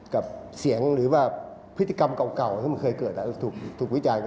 กับเสียงหรือว่าพฤติกรรมเก่าที่มันเคยเกิดถูกวิจารณ์